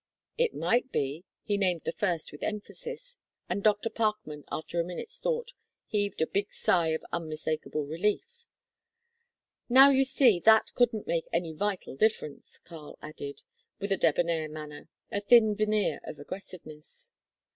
It might be he named the first with emphasis, and Dr. Parkman, after a minute's thought, heaved a big sigh of unmistakable relief. "Now you see that couldn't make any vital difference," Karl added, with a debonair manner, a thin veneer of aggressiveness.